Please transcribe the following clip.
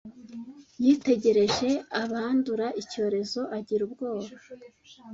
Yitegereje abandura icyorezo agira ubwoba.